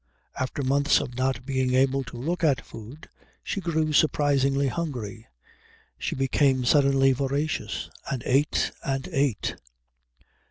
After months of not being able to look at food she grew surprisingly hungry, she became suddenly voracious, and ate and ate.